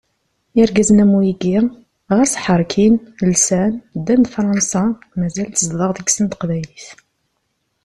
Irgazen am wigi, ɣas ḥerkin, lsan, ddan d Fransa, mazal tezdeɣ deg-sen teqbaylit.